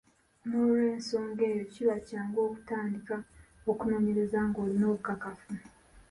N’olw’ensonga eyo, kiba kyangu okutandika okunoonyereza ng’olina obukakafu.